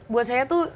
buat saya tuh